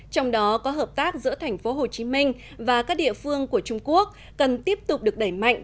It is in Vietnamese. trong đó có hợp tác giữa tp hcm và các địa phương của trung quốc cần tiếp tục được đẩy mạnh